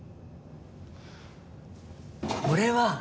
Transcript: これは。